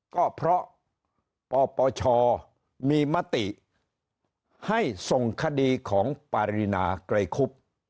ก็เพราะปปชมีมติให้ส่งคดีของปารีนาไกรคุบ